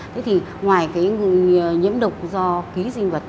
thế thì ngoài cái nhiễm độc do ký sinh vật